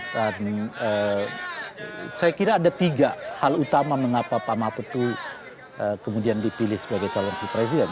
saya kira ada tiga hal utama mengapa pak mahfud itu kemudian dipilih sebagai calon presiden